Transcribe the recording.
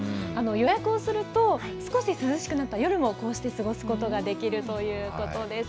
予約をすると、少し涼しくなった夜も、こうして過ごすことができるということです。